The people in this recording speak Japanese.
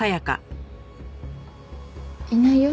いないよ。